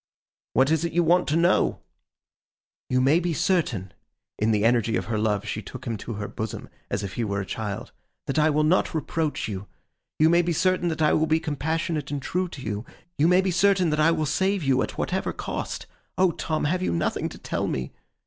'What is it you want to know?' 'You may be certain;' in the energy of her love she took him to her bosom as if he were a child; 'that I will not reproach you. You may be certain that I will be compassionate and true to you. You may be certain that I will save you at whatever cost. O Tom, have you nothing to tell me?